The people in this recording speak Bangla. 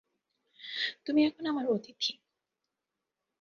তুমি এখন আমার অতিথি।